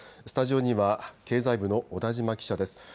スタジオには経済部の小田島記者です。